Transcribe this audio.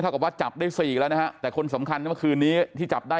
กับว่าจับได้สี่แล้วนะฮะแต่คนสำคัญเมื่อคืนนี้ที่จับได้